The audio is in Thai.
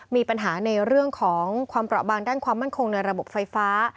มีปัญหาในเรื่องของความเปราะบางด้านความมั่นคงในระบบไฟฟ้า